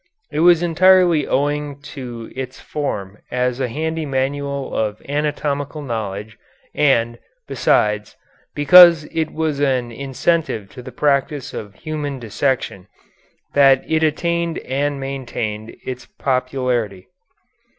It was entirely owing to its form as a handy manual of anatomical knowledge and, besides, because it was an incentive to the practice of human dissection, that it attained and maintained its popularity.